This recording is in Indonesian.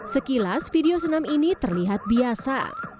sekilas video senam ini terlihat biasa